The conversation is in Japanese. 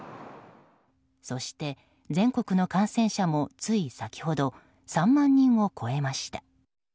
そして全国の感染者もつい先ほど３万人を超えました。